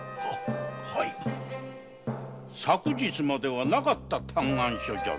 昨日までなかった嘆願書だが？